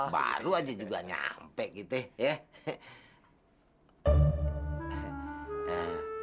baru aja juga nyampe gitu ya